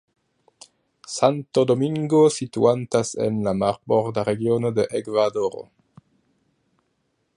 Santo Domingo situantas en la Marborda Regiono de Ekvadoro.